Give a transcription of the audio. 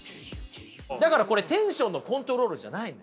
だからこれテンションのコントロールじゃないんですよ。